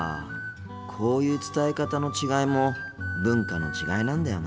こういう伝え方の違いも文化の違いなんだよな。